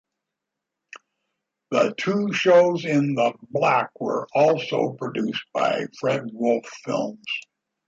The two shows in the block were also produced by Fred Wolf Films.